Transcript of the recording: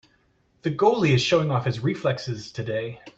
The goalie is showing off his reflexes today.